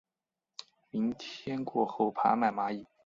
明天过后爬满蚂蚁